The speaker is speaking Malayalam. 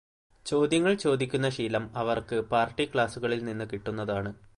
ചോദ്യങ്ങൾ ചോദിക്കുന്ന ശീലം അവർക്ക് പാർടി ക്ലാസുകളിൽ നിന്നു കിട്ടുന്നതാണ്.